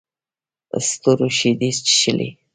ستورو شیدې چښلې